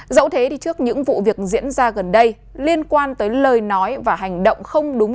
dẫu thế thì trước những vụ việc diễn ra gần đây liên quan tới lời nói và hành động không đúng